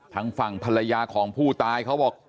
ทางฝั่งภรรยาของผู้ตายเขาบอก